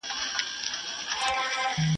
¬ چي ولاړ سې تر بلخه، در سره ده خپله برخه.